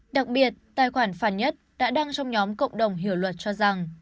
đặc biệt tài khoản phản nhất đã đăng trong nhóm cộng đồng hiểu luật cho rằng